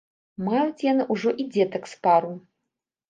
Маюць яны ўжо і дзетак з пару.